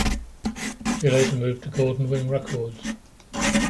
He later moved to Golden Wing Records.